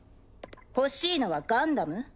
欲しいのはガンダム？